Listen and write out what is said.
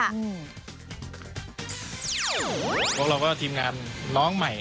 สำหรับภาพยนตร์ส่วนใหญ่จะเน้นในพื้นที่จังหวัดขอนแกนโดยเฉพาะในพื้นที่สำคัญและมีความสวยงามค่ะ